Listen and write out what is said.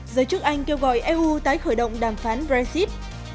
giới chức anh kêu gọi eu tái khởi động đàm phán brexit